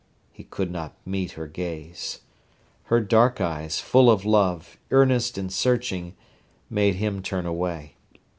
He could not meet her gaze. Her dark eyes, full of love, earnest and searching, made him turn away.